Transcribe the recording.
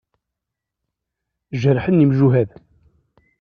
Jerḥen yemjuhad.